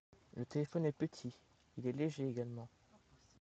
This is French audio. Le téléphone est petit, il est léger également.